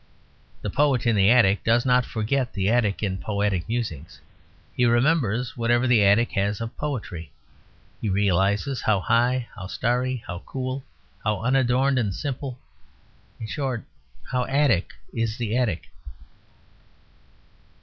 The poet in the attic does not forget the attic in poetic musings; he remembers whatever the attic has of poetry; he realises how high, how starry, how cool, how unadorned and simple in short, how Attic is the attic.